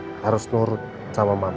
rina harus nurut sama mama kan